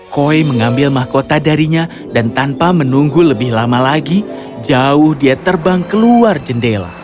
koi mengambil mahkota darinya dan tanpa menunggu lebih lama lagi jauh dia terbang keluar jendela